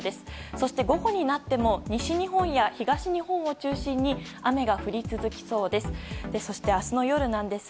そして午後になっても西日本や東日本を中心に雨が降り続きそうです。